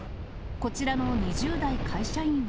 こちらの２０代会社員は。